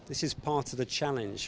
ini adalah bagian dari tantangan